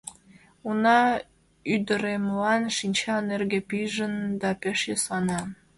Уна ӱдыремлан шинча нерге пижын, да пеш йӧслана.